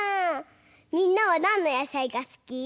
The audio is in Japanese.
みんなはなんのやさいがすき？